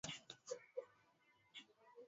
kutokana na kufufuliwa kwa sekta ya huduma